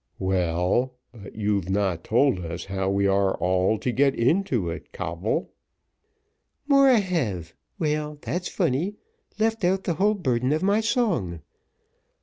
"Well, but you've not told us how we are all to get into it, Coble." "More I have well, that's funny; left out the whole burden of my song.